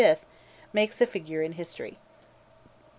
makes a figure in history.